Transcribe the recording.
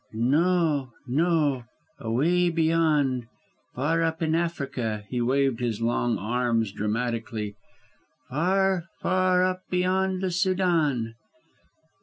"No, no! Away beyond, far up in Africa" he waved his long arms dramatically "far, far up beyond the Sûdan."